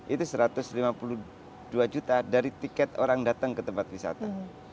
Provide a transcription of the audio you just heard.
itu satu ratus lima puluh dua juta dari tiket orang datang ke tempat wisata